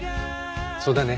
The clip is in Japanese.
そうだね。